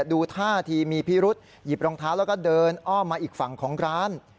ดูท่าทีมีพิรุษหยิบรองเท้าแล้วก็เดินอ้อมมาอีกฝั่งของร้าน